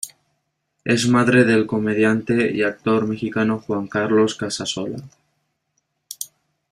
Es madre del comediante y actor mexicano Juan Carlos Casasola.